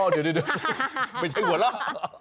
อ๋อเดี๋ยวไม่ใช่หัวเล่า